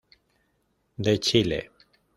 De Chile.